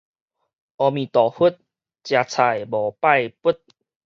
阿彌陀佛，食菜無拜佛